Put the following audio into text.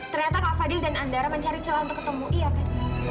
ternyata kak fadil dan andara mencari celah untuk ketemu iya kan